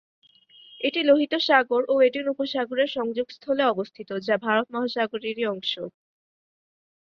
এটি লোহিত সাগর ও এডেন উপসাগর এর সংযোগস্থলে অবস্থিত যা ভারত মহাসাগর-এর ই অংশ।